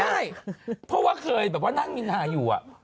ไม่ใช่เพราะว่าเคยนั่งยินทาอยู่